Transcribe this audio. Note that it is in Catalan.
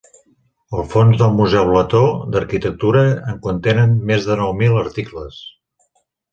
Els fons del Museu Letó d'Arquitectura en contenen més de nou mil articles.